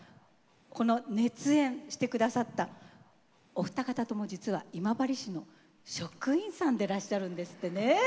この熱演して下さったお二方とも実は今治市の職員さんでらっしゃるんですってねえ。